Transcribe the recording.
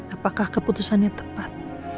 apakah keputusannya tepat